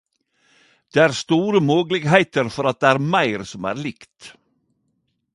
Det er store mogelegheiter for at det er meir som er likt.